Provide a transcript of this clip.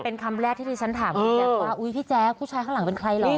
เป็นคำแรกที่ที่ฉันถามพี่แจ๊คว่าอุ๊ยพี่แจ๊คผู้ชายข้างหลังเป็นใครเหรอ